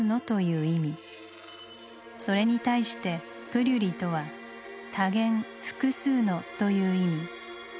それに対してプリュリとは多元複数のという意味。